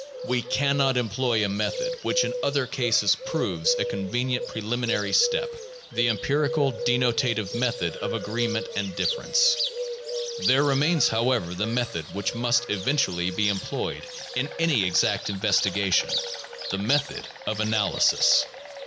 We can not employ a method which in other cases proves a convenient preliminary step, the empirical, denotative method of agreement and difference. There remains, however, the method which must eventually be employed in any exact investigation, the method of analysis.